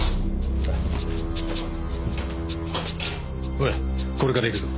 おいこれからいくぞ。